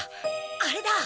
あれだ。